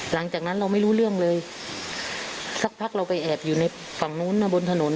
หลังจากนั้นเราไม่รู้เรื่องเลยสักพักเราไปแอบอยู่ในฝั่งนู้นนะบนถนน